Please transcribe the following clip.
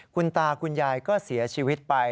คุณตาคุณยายก็เสียชีวิตไป